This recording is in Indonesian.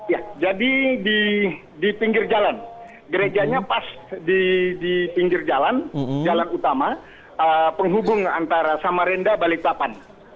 ya jadi di pinggir jalan gerejanya pas di pinggir jalan jalan utama penghubung antara samarenda balikpapan